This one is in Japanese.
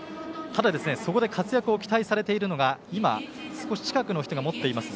ただ、そこで活躍を期待されているのが今、少し近くの人が持っています